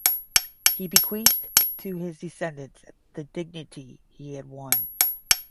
He bequeathed to his descendants the dignity he had won.